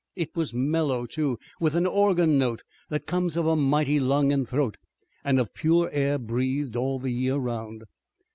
It was mellow, too, with an organ note that comes of a mighty lung and throat, and of pure air breathed all the year around.